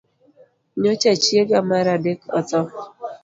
Nyocha chiega mar adek otho